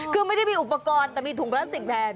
คือไม่ได้มีอุปกรณ์แต่มีถุงพลาสติกแทน